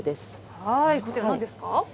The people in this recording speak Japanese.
こちら、なんですか。